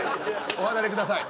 お離れください